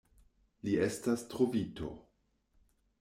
Li estas trovito.